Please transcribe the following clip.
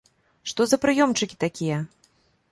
Што за прыёмчыкі такія?